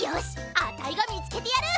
あたいがみつけてやる！